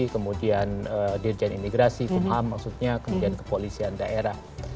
kemudian dirjen imigrasi kumham maksudnya kemudian kepolisian daerah